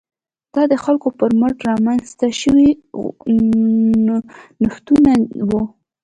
دا د خلکو پر مټ رامنځته شوي نوښتونه وو.